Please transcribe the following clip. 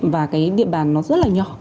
và địa bàn rất nhỏ